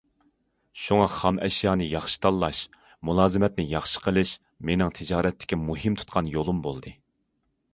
شۇڭا خام ئەشيانى ياخشى تاللاش، مۇلازىمەتنى ياخشى قىلىش مېنىڭ تىجارەتتىكى مۇھىم تۇتقان يولۇم بولدى.